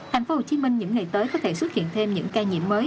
hành phố hồ chí minh những ngày tới có thể xuất hiện thêm những ca nhiễm